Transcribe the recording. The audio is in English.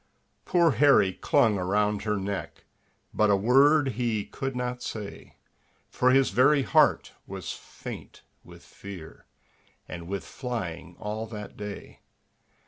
Poor Harry clung around her neck, But a word he could not say, For his very heart was faint with fear, And with flying all that day.